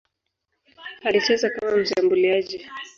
Alicheza kama mshambuliaji.